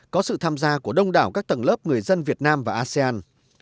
có sự tham gia của đông đảo các tầng lớp người dân việt nam và asean